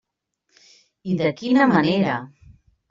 I de quina manera!